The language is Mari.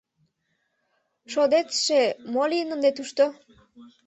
Шодетше мо лийын ынде тушто?